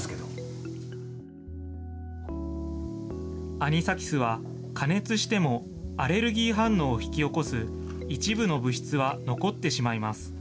アニサキスは加熱してもアレルギー反応を引き起こす一部の物質は残ってしまいます。